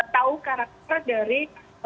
tau karakter dari